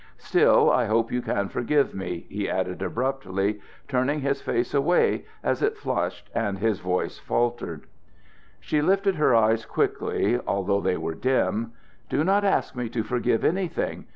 Still, I hope you can forgive me," he added abruptly, turning his face away as it flushed and his voice faltered. She lifted her eyes quickly, although they were dim. "Do not ask me to forgive anything.